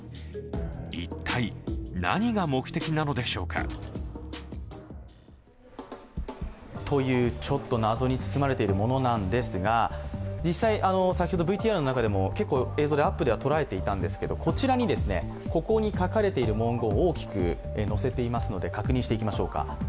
一体何が目的なのでしょうか。という、ちょっと謎に包まれているものなんですが実際、先ほどＶＴＲの中でも映像でアップでとらえていたんですけれどもこちらにここに書かれている文言を大きく載せていますので確認していきましょうか。